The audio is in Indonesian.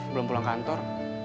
belum pulang kantor